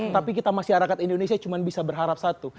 tapi kita masyarakat indonesia cuma bisa berharap satu